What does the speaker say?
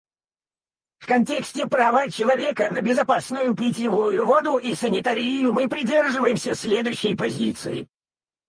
В контексте права человека на безопасную питьевую воду и санитарию мы придерживаемся следующей позиции.